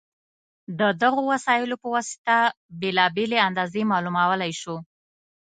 د دغو وسایلو په واسطه بېلابېلې اندازې معلومولی شو.